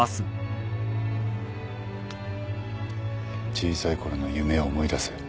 小さいころの夢を思い出せ。